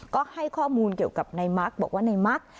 ก็ให้ข้อมูลเกี่ยวกับในมักบอกว่าในมัก